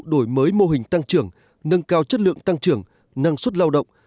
đổi mới mô hình tăng trường nâng cao chất lượng tăng trường năng suất lao động